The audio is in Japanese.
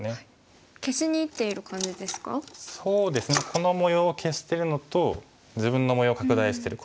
この模様を消してるのと自分の模様を拡大してる。